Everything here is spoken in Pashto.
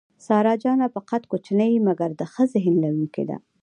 سارا جانه په قد کوچنۍ مګر د ښه ذهن لرونکې ده.